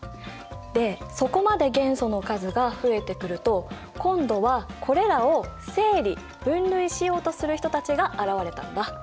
でそこまで元素の数が増えてくると今度はこれらを整理分類しようとする人たちが現れたんだ。